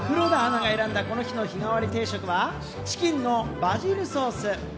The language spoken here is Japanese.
黒田アナが選んだこの日の日替わり定食は、チキンのバジルソース。